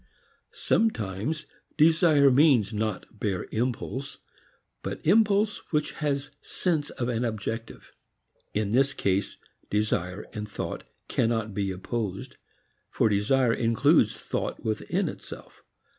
Sometimes desire means not bare impulse but impulse which has sense of an objective. In this case desire and thought cannot be opposed, for desire includes thought within itself.